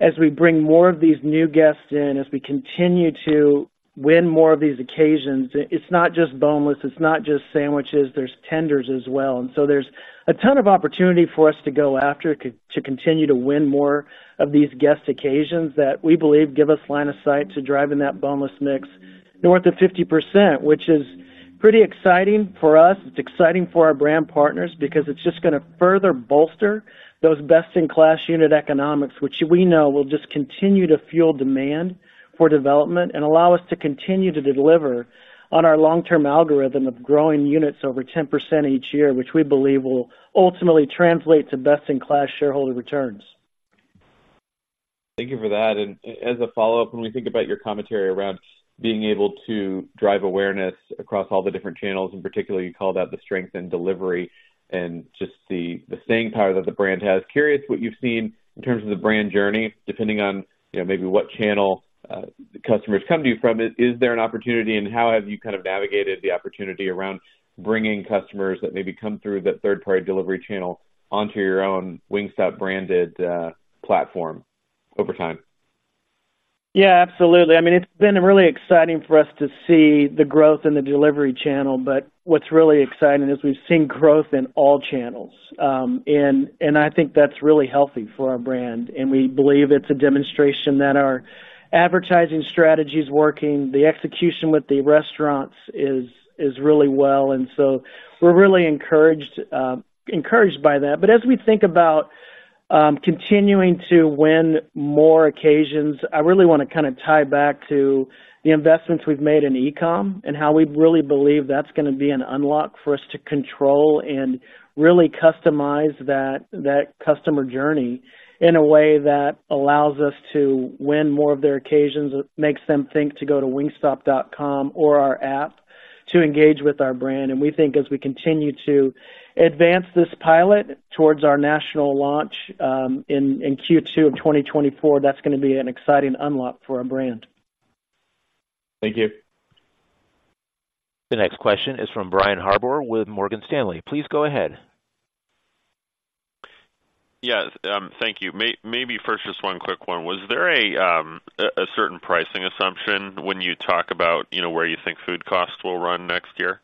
as we bring more of these new guests in, as we continue to win more of these occasions, it's not just boneless, it's not just sandwiches, there's tenders as well. And so there's a ton of opportunity for us to go after to continue to win more of these guest occasions that we believe give us line of sight to driving that boneless mix north of 50%, which is pretty exciting for us. It's exciting for our brand partners because it's just gonna further bolster those best-in-class unit economics, which we know will just continue to fuel demand for development and allow us to continue to deliver on our long-term algorithm of growing units over 10% each year, which we believe will ultimately translate to best-in-class shareholder returns. Thank you for that. And as a follow-up, when we think about your commentary around being able to drive awareness across all the different channels, and particularly you called out the strength and delivery and just the staying power that the brand has. Curious what you've seen in terms of the brand journey, depending on, you know, maybe what channel customers come to you from. Is there an opportunity, and how have you kind of navigated the opportunity around bringing customers that maybe come through the third-party delivery channel onto your own Wingstop branded platform over time? Yeah, absolutely. I mean, it's been really exciting for us to see the growth in the delivery channel, but what's really exciting is we've seen growth in all channels. And I think that's really healthy for our brand, and we believe it's a demonstration that our advertising strategy is working. The execution with the restaurants is really well, and so we're really encouraged by that. But as we think about continuing to win more occasions, I really want to kind of tie back to the investments we've made in e-com and how we really believe that's gonna be an unlock for us to control and really customize that customer journey in a way that allows us to win more of their occasions. It makes them think to go to Wingstop.com or our app to engage with our brand. We think as we continue to advance this pilot towards our national launch in second quarter of 2024, that's gonna be an exciting unlock for our brand. Thank you. The next question is from Brian Harbour with Morgan Stanley. Please go ahead. Yes, thank you. Maybe first, just one quick one. Was there a certain pricing assumption when you talk about, you know, where you think food costs will run next year?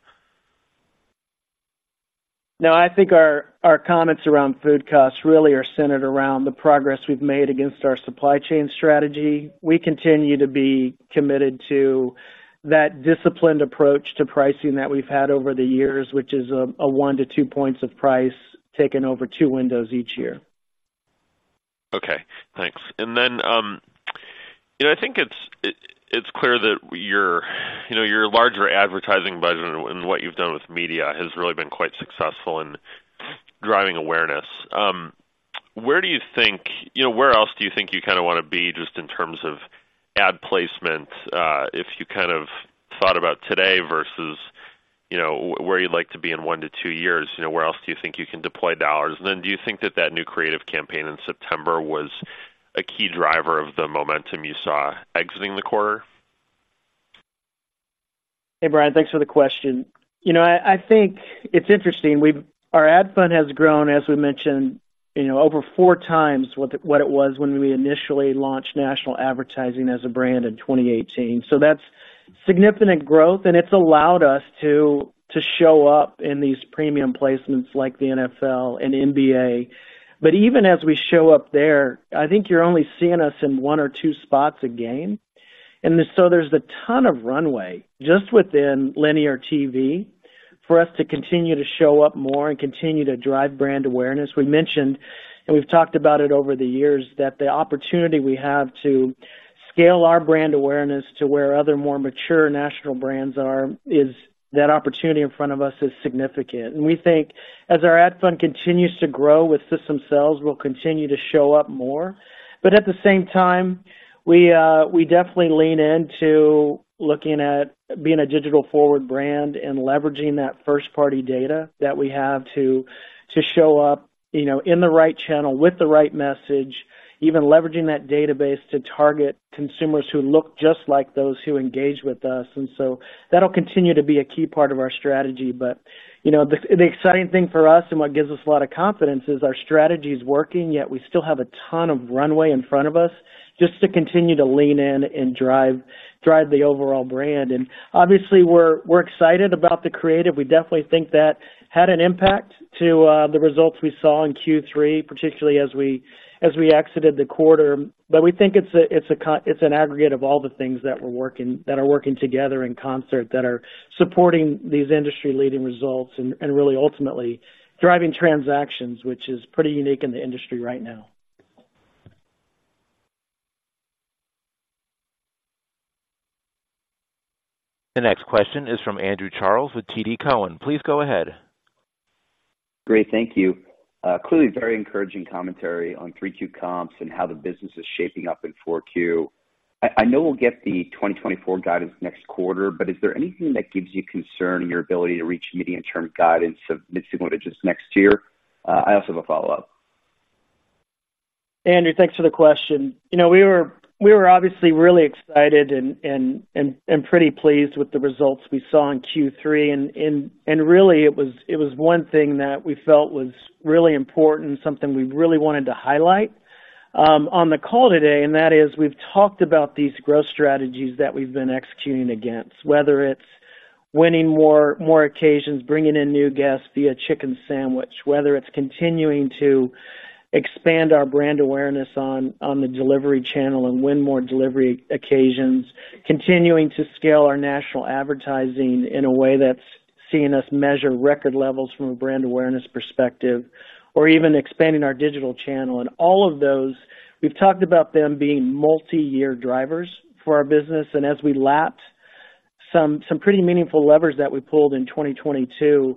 No, I think our comments around food costs really are centered around the progress we've made against our supply chain strategy. We continue to be committed to that disciplined approach to pricing that we've had over the years, which is a one to two points of price taken over two windows each year. Okay, thanks. And then, you know, I think it's clear that your larger advertising budget and what you've done with media has really been quite successful in driving awareness. Where do you think - you know, where else do you think you kind of want to be just in terms of ad placement, if you kind of thought about today versus, you know, where you'd like to be in one to two years, you know, where else do you think you can deploy dollars? And then, do you think that new creative campaign in September was a key driver of the momentum you saw exiting the quarter? Hey, Brian, thanks for the question. You know, I think it's interesting. Our ad spend has grown, as we mentioned, you know, over four times what it was when we initially launched national advertising as a brand in 2018. So that's significant growth, and it's allowed us to show up in these premium placements like the NFL and NBA. But even as we show up there, I think you're only seeing us in one or two spots a game. And so there's a ton of runway just within linear TV for us to continue to show up more and continue to drive brand awareness. We mentioned, and we've talked about it over the years, that the opportunity we have to scale our brand awareness to where other more mature national brands are, is that opportunity in front of us is significant. And we think as our ad fund continues to grow with system sales, we'll continue to show up more. But at the same time, we, we definitely lean into looking at being a digital-forward brand and leveraging that first-party data that we have to, to show up, you know, in the right channel with the right message, even leveraging that database to target consumers who look just like those who engage with us. And so that'll continue to be a key part of our strategy. But, you know, the, the exciting thing for us and what gives us a lot of confidence is our strategy is working, yet we still have a ton of runway in front of us just to continue to lean in and drive, drive the overall brand. And obviously, we're, we're excited about the creative. We definitely think that had an impact to the results we saw in third quarter, particularly as we exited the quarter. But we think it's an aggregate of all the things that are working together in concert, that are supporting these industry-leading results and really ultimately driving transactions, which is pretty unique in the industry right now. The next question is from Andrew Charles with TD Cowen. Please go ahead. Great, thank you. Clearly very encouraging commentary on 3Q comps and how the business is shaping up in 4Q. I know we'll get the 2024 guidance next quarter, but is there anything that gives you concern in your ability to reach medium-term guidance of mid-single digits next year? I also have a follow-up. Andrew, thanks for the question. You know, we were obviously really excited and pretty pleased with the results we saw in third quarter. Really, it was one thing that we felt was really important, something we really wanted to highlight on the call today, and that is we've talked about these growth strategies that we've been executing against. Whether it's winning more occasions, bringing in new guests via chicken sandwich, whether it's continuing to expand our brand awareness on the delivery channel and win more delivery occasions, continuing to scale our national advertising in a way that's seeing us measure record levels from a brand awareness perspective or even expanding our digital channel. And all of those, we've talked about them being multi-year drivers for our business. As we lap some pretty meaningful levers that we pulled in 2022,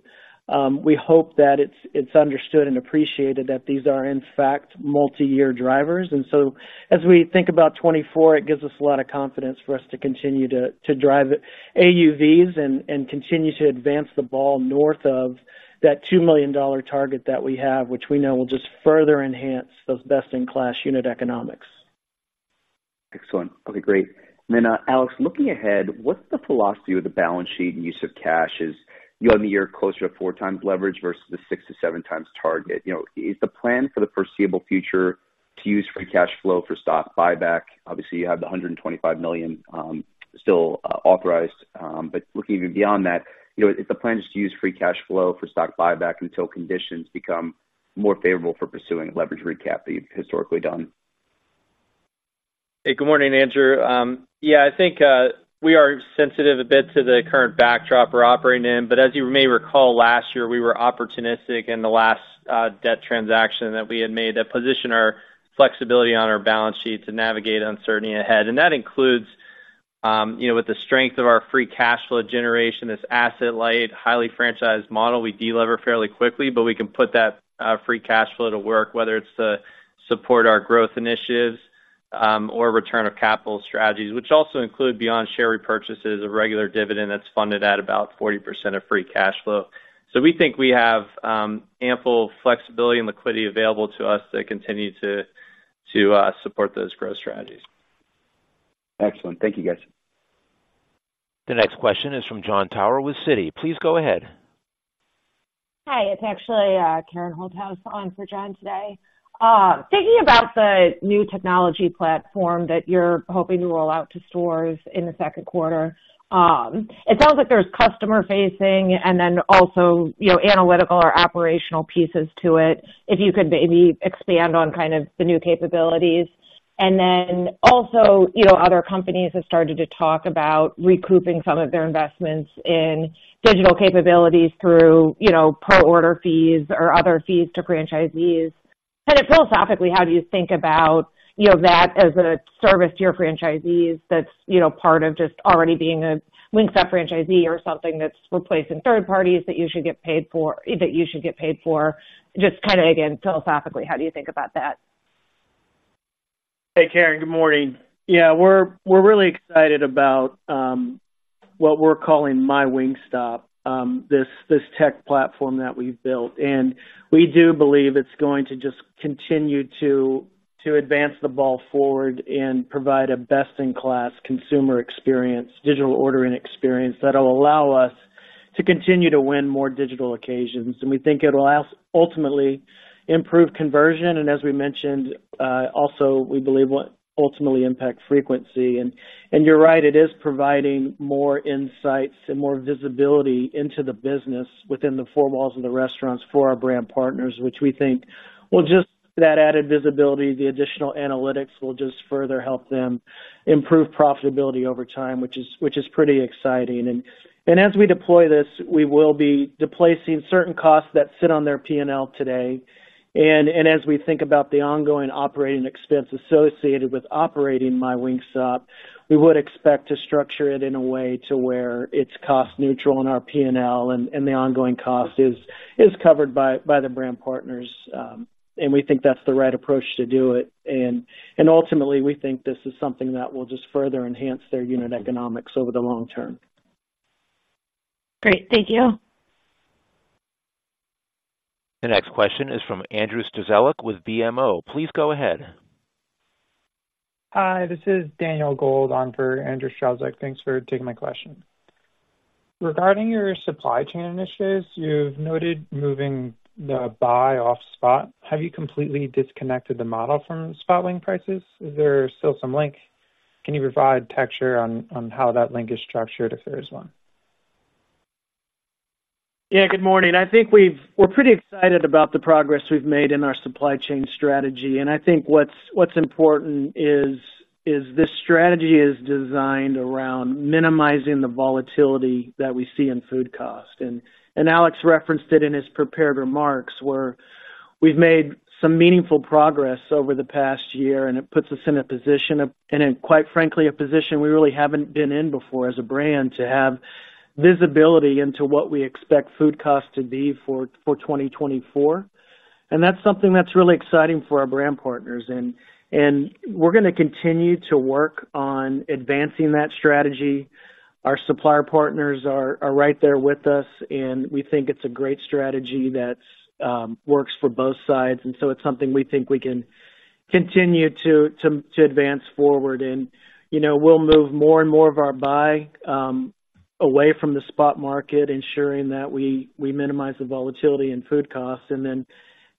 we hope that it's understood and appreciated that these are in fact multi-year drivers. So as we think about 2024, it gives us a lot of confidence for us to continue to drive AUVs and continue to advance the ball north of that $2 million target that we have, which we know will just further enhance those best-in-class unit economics. Excellent. Okay, great. Then, Alex, looking ahead, what's the philosophy with the balance sheet and use of cash? As you end the year closer to 4x leverage versus the 6x-7x target. You know, is the plan for the foreseeable future to use free cash flow for stock buyback? Obviously, you have the $125 million still authorized. But looking even beyond that, you know, is the plan just to use free cash flow for stock buyback until conditions become more favorable for pursuing a leverage recap that you've historically done? Hey, good morning, Andrew. Yeah, I think we are sensitive a bit to the current backdrop we're operating in. But as you may recall, last year we were opportunistic in the last debt transaction that we had made that positioned our flexibility on our balance sheet to navigate uncertainty ahead. And that includes, you know, with the strength of our free cash flow generation, this asset-light, highly franchised model. We delever fairly quickly, but we can put that free cash flow to work, whether it's to support our growth initiatives or return of capital strategies, which also include, beyond share repurchases, a regular dividend that's funded at about 40% of free cash flow. So we think we have ample flexibility and liquidity available to us to continue to support those growth strategies. Excellent. Thank you, guys. The next question is from John Tower with Citi. Please go ahead. Hi, it's actually Karen Holthouse on for John today. Thinking about the new technology platform that you're hoping to roll out to stores in the second quarter, it sounds like there's customer facing and then also, you know, analytical or operational pieces to it. If you could maybe expand on kind of the new capabilities. And then also, you know, other companies have started to talk about recouping some of their investments in digital capabilities through, you know, per order fees or other fees to franchisees. Kind of philosophically, how do you think about, you know, that as a service to your franchisees that's, you know, part of just already being a Wingstop franchisee or something that's replacing third parties that you should get paid for-- that you should get paid for? Just kind of, again, philosophically, how do you think about that? Hey, Karen, good morning. Yeah, we're really excited about what we're calling My Wingstop, this tech platform that we've built. And we do believe it's going to just continue to advance the ball forward and provide a best-in-class consumer experience, digital ordering experience that'll allow us to continue to win more digital occasions, and we think it will ultimately improve conversion. And as we mentioned, also, we believe will ultimately impact frequency. And you're right, it is providing more insights and more visibility into the business within the four walls of the restaurants for our brand partners, which we think will just that added visibility, the additional analytics will just further help them improve profitability over time, which is pretty exciting. And as we deploy this, we will be displacing certain costs that sit on their PNL today. As we think about the ongoing operating expense associated with operating My Wingstop, we would expect to structure it in a way to where it's cost neutral in our PNL and the ongoing cost is covered by the brand partners. We think that's the right approach to do it. Ultimately, we think this is something that will just further enhance their unit economics over the long term. Great. Thank you. The next question is from Andrew Strelzik with BMO. Please go ahead. Hi, this is Daniel Gold on for Andrew Strelzik. Thanks for taking my question. Regarding your supply chain initiatives, you've noted moving the buy off spot. Have you completely disconnected the model from spot-linked prices? Is there still some link? Can you provide texture on how that link is structured, if there is one? Yeah, good morning. I think we're pretty excited about the progress we've made in our supply chain strategy. I think what's important is this strategy is designed around minimizing the volatility that we see in food costs. And Alex referenced it in his prepared remarks, where we've made some meaningful progress over the past year, and it puts us in a position of, and quite frankly, a position we really haven't been in before as a brand, to have visibility into what we expect food costs to be for 2024. And that's something that's really exciting for our brand partners. And we're gonna continue to work on advancing that strategy. Our supplier partners are right there with us, and we think it's a great strategy that works for both sides. So it's something we think we can continue to advance forward. And, you know, we'll move more and more of our buy away from the spot market, ensuring that we minimize the volatility in food costs. And then,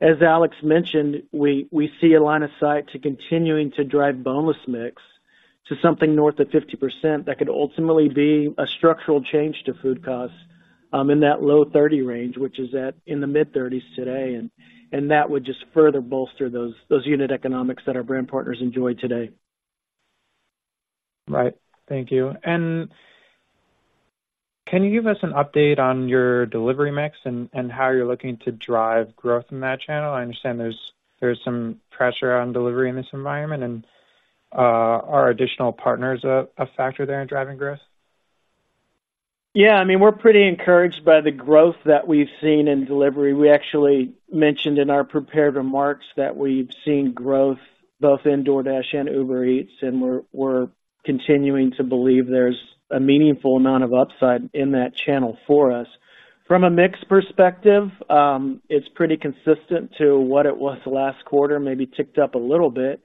as Alex mentioned, we see a line of sight to continuing to drive boneless mix to something north of 50%. That could ultimately be a structural change to food costs in that low 30 range, which is in the mid-30s today. And that would just further bolster those unit economics that our brand partners enjoy today. Right. Thank you. Can you give us an update on your delivery mix and how you're looking to drive growth in that channel? I understand there's some pressure on delivery in this environment, and are additional partners a factor there in driving growth? Yeah, I mean, we're pretty encouraged by the growth that we've seen in delivery. We actually mentioned in our prepared remarks that we've seen growth both in DoorDash and Uber Eats, and we're continuing to believe there's a meaningful amount of upside in that channel for us. From a mix perspective, it's pretty consistent to what it was last quarter, maybe ticked up a little bit,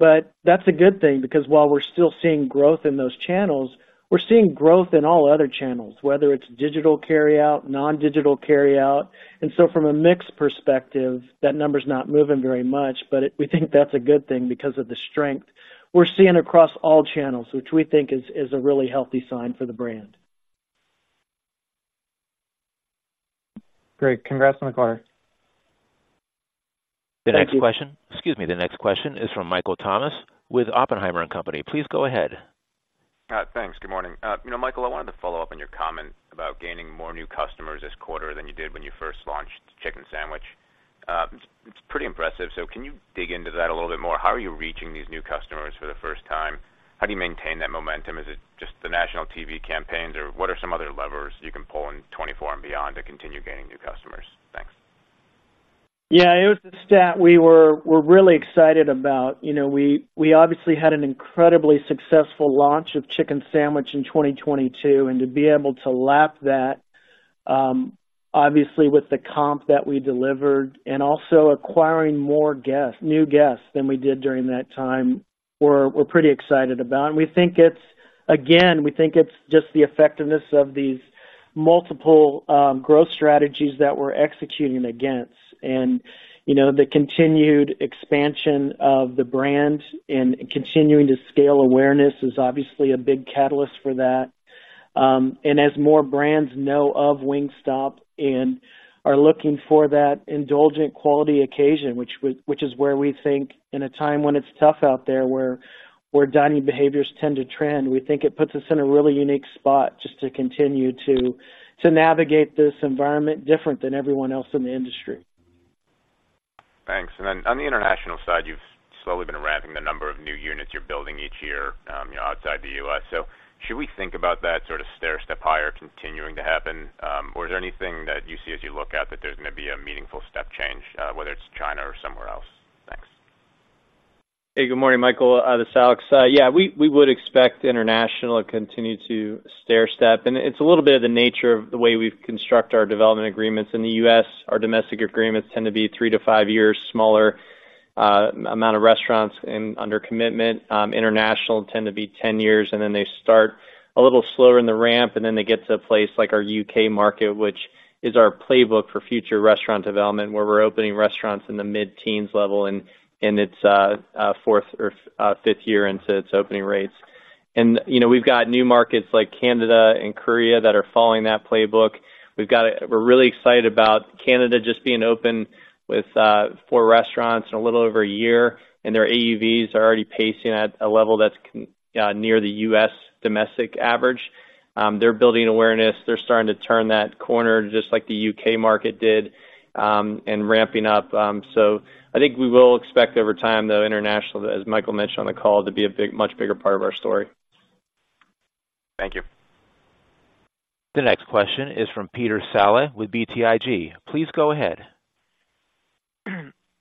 but that's a good thing, because while we're still seeing growth in those channels, we're seeing growth in all other channels, whether it's digital carryout, non-digital carryout. And so from a mix perspective, that number's not moving very much, but we think that's a good thing because of the strength we're seeing across all channels, which we think is a really healthy sign for the brand. Great. Congrats on the quarter. Thank you. The next question. Excuse me. The next question is from Michael Tamas with Oppenheimer & Company. Please go ahead. Thanks. Good morning. You know, Michael, I wanted to follow up on your comment about gaining more new customers this quarter than you did when you first launched the chicken sandwich. It's pretty impressive. So can you dig into that a little bit more? How are you reaching these new customers for the first time? How do you maintain that momentum? Is it just the national TV campaigns, or what are some other levers you can pull in 2024 and beyond to continue gaining new customers? Thanks. Yeah, it was a stat we're really excited about. You know, we obviously had an incredibly successful launch of chicken sandwich in 2022, and to be able to lap that, obviously with the comp that we delivered and also acquiring more guests, new guests than we did during that time, we're pretty excited about. And we think it's... Again, we think it's just the effectiveness of these multiple growth strategies that we're executing against. And, you know, the continued expansion of the brand and continuing to scale awareness is obviously a big catalyst for that. As more brands know of Wingstop and are looking for that indulgent quality occasion, which is where we think in a time when it's tough out there, where dining behaviors tend to trend, we think it puts us in a really unique spot just to continue to navigate this environment different than everyone else in the industry. Thanks. And then on the international side, you've slowly been ramping the number of new units you're building each year, you know, outside the U.S. So should we think about that sort of stairstep higher continuing to happen? Or is there anything that you see as you look out that there's going to be a meaningful step change, whether it's China or somewhere else? Thanks. Hey, good morning, Michael. This is Alex. Yeah, we would expect international to continue to stairstep, and it's a little bit of the nature of the way we construct our development agreements. In the U.S., our domestic agreements tend to be three to five years, smaller amount of restaurants under commitment. International tend to be 10 years, and then they start a little slower in the ramp. And then they get to a place like our U.K. market, which is our playbook for future restaurant development, where we're opening restaurants in the mid-teens level, and in its fourth or fifth year into its opening rates. And, you know, we've got new markets like Canada and Korea that are following that playbook. We're really excited about Canada just being open with four restaurants in a little over a year, and their AUVs are already pacing at a level that's near the U.S. domestic average. They're building awareness. They're starting to turn that corner, just like the U.K. market did, and ramping up. So I think we will expect over time, though, international, as Michael mentioned on the call, to be a big, much bigger part of our story. Thank you. The next question is from Peter Saleh with BTIG. Please go ahead.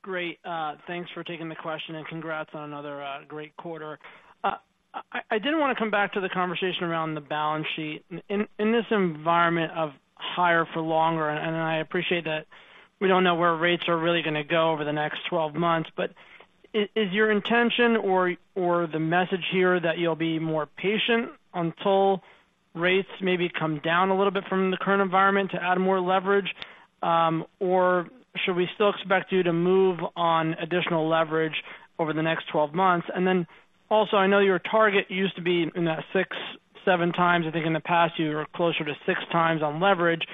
Great! Thanks for taking the question, and congrats on another great quarter. I did want to come back to the conversation around the balance sheet. In this environment of higher for longer, and I appreciate that we don't know where rates are really gonna go over the next twelve months, but is your intention or the message here that you'll be more patient until rates maybe come down a little bit from the current environment to add more leverage? Or should we still expect you to move on additional leverage over the next twelve months? And then also, I know your target used to be in that six, seven times. I think in the past, you were closer to six times on leverage.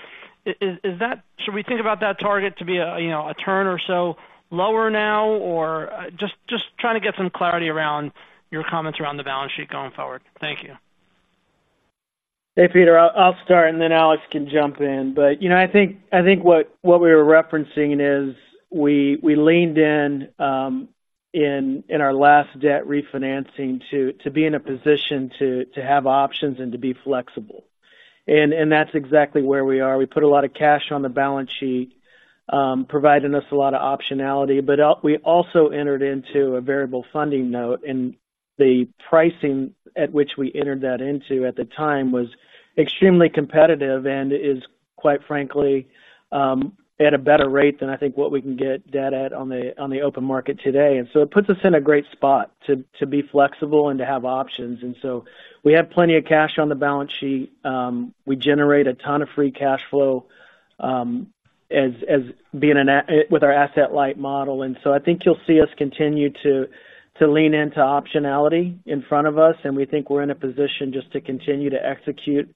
Is that? Should we think about that target to be a, you know, a turn or so lower now? Or just trying to get some clarity around your comments around the balance sheet going forward. Thank you. Hey, Peter, I'll start, and then Alex can jump in. But, you know, I think what we were referencing is we leaned in in our last debt refinancing to be in a position to have options and to be flexible. And that's exactly where we are. We put a lot of cash on the balance sheet, providing us a lot of optionality, but we also entered into a Variable Funding Note, and the pricing at which we entered that into at the time was extremely competitive and is, quite frankly, at a better rate than I think what we can get debt at on the open market today. And so it puts us in a great spot to be flexible and to have options. We have plenty of cash on the balance sheet. We generate a ton of free cash flow, as being an asset-light model. I think you'll see us continue to lean into optionality in front of us, and we think we're in a position just to continue to execute,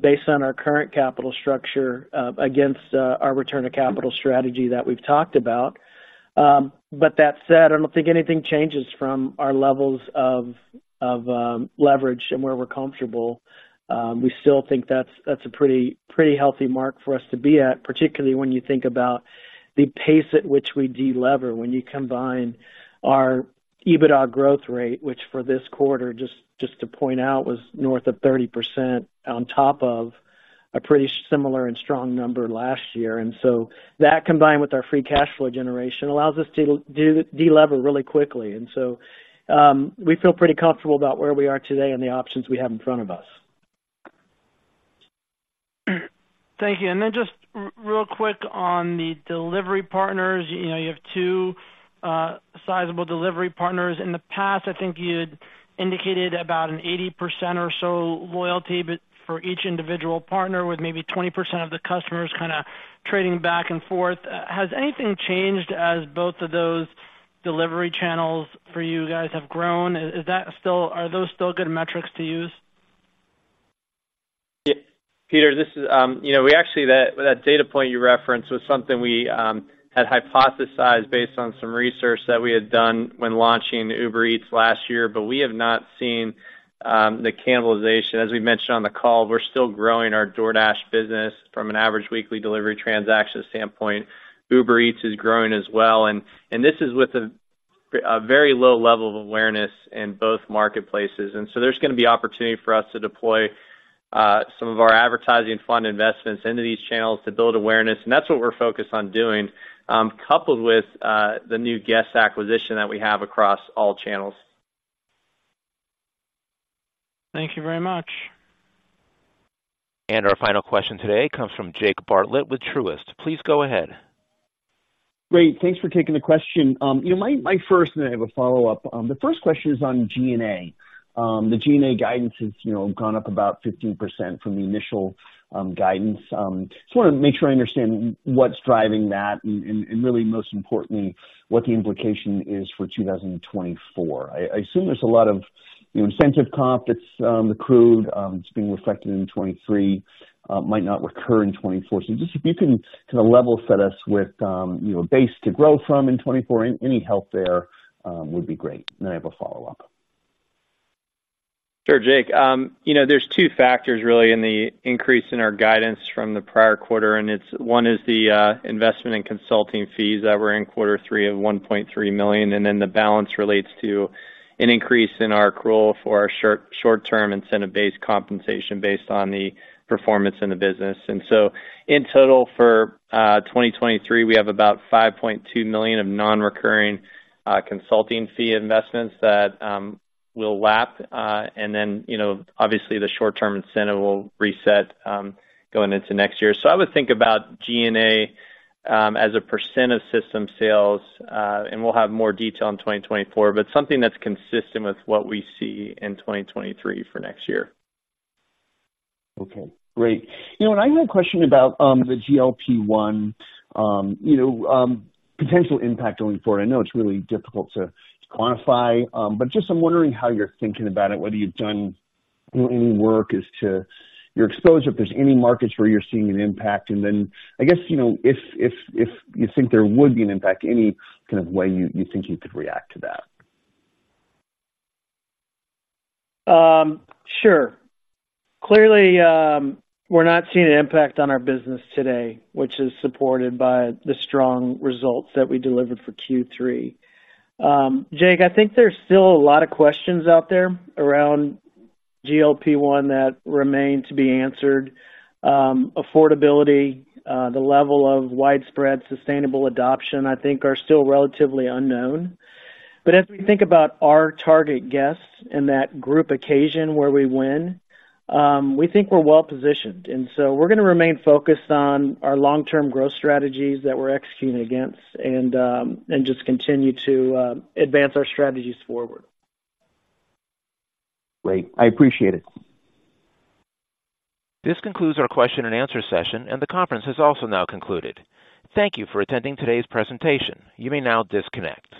based on our current capital structure, against our return on capital strategy that we've talked about. But that said, I don't think anything changes from our levels of leverage and where we're comfortable. We still think that's a pretty healthy mark for us to be at, particularly when you think about the pace at which we delever. When you combine our EBITDA growth rate, which for this quarter, just, just to point out, was north of 30% on top of a pretty similar and strong number last year. And so that, combined with our free cash flow generation, allows us to do de-lever really quickly. And so, we feel pretty comfortable about where we are today and the options we have in front of us. Thank you. And then just real quick on the delivery partners. You know, you have two sizable delivery partners. In the past, I think you'd indicated about an 80% or so loyalty, but for each individual partner, with maybe 20% of the customers kind of trading back and forth. Has anything changed as both of those delivery channels for you guys have grown? Is that still... Are those still good metrics to use? Yeah, Peter, this is, you know, we actually, that, that data point you referenced was something we had hypothesized based on some research that we had done when launching Uber Eats last year. But we have not seen the cannibalization. As we mentioned on the call, we're still growing our DoorDash business from an average weekly delivery transaction standpoint. Uber Eats is growing as well, and, and this is with a, a very low level of awareness in both marketplaces. And so there's gonna be opportunity for us to deploy some of our advertising fund investments into these channels to build awareness, and that's what we're focused on doing, coupled with the new guest acquisition that we have across all channels. Thank you very much. Our final question today comes from Jake Bartlett with Truist. Please go ahead. Great. Thanks for taking the question. You know, my first, and I have a follow-up. The first question is on G&A. The G&A guidance has, you know, gone up about 15% from the initial guidance. Just wanted to make sure I understand what's driving that and, and really, most importantly, what the implication is for 2024. I assume there's a lot of, you know, incentive comp that's accrued, it's being reflected in 2023, might not recur in 2024. So just if you can kind of level set us with, you know, base to grow from in 2024, any help there would be great. And then I have a follow-up. Sure, Jake. You know, there's two factors really in the increase in our guidance from the prior quarter, and it's one is the investment in consulting fees that were in quarter three of $1.3 million, and then the balance relates to an increase in our accrual for our short-term incentive-based compensation based on the performance in the business. And so in total, for 2023, we have about $5.2 million of non-recurring consulting fee investments that will lap, and then, you know, obviously, the short-term incentive will reset going into next year. So I would think about G&A as a % of system sales, and we'll have more detail in 2024, but something that's consistent with what we see in 2023 for next year. Okay, great. You know, and I had a question about the GLP-1, you know, potential impact going forward. I know it's really difficult to quantify, but just I'm wondering how you're thinking about it, whether you've done any work as to your exposure, if there's any markets where you're seeing an impact. And then, I guess, you know, if, if, if you think there would be an impact, any kind of way you, you think you could react to that? Sure. Clearly, we're not seeing an impact on our business today, which is supported by the strong results that we delivered for third quarter. Jake, I think there's still a lot of questions out there around GLP-1 that remain to be answered. Affordability, the level of widespread sustainable adoption, I think, are still relatively unknown. But as we think about our target guests and that group occasion where we win, we think we're well positioned, and so we're gonna remain focused on our long-term growth strategies that we're executing against and just continue to advance our strategies forward. Great. I appreciate it. This concludes our question-and-answer session, and the conference has also now concluded. Thank you for attending today's presentation. You may now disconnect.